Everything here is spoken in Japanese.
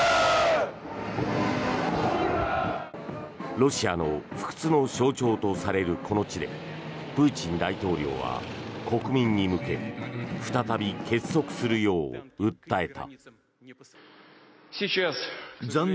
ロシアの不屈の象徴とされるこの地でプーチン大統領は国民に向け再び結束するよう訴えた。